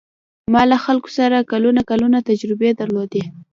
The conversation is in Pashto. ما له خلکو سره کلونه کلونه تجربې درلودې.